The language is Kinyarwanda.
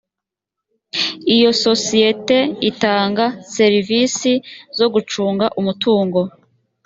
iyo sosiyete itanga serivisi zo gucunga umutungo